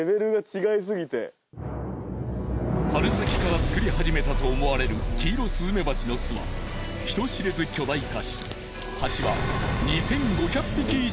春先から作り始めたと思われるキイロスズメバチの巣は人知れず巨大化しハチは。